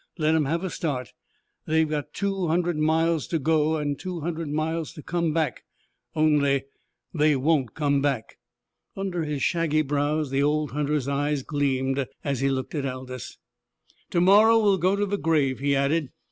Let 'em have a start! They've got two hundred miles to go, an' two hundred miles to come back. Only they won't come back!" Under his shaggy brows the old hunter's eyes gleamed as he looked at Aldous. "To morrow we'll go to the grave," he added.